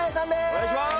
お願いします